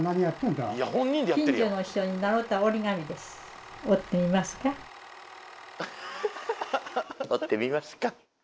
「折ってみますか？」。